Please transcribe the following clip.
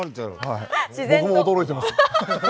はい僕も驚いてます。